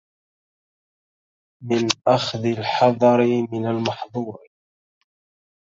من أخذ الحذر من المحذور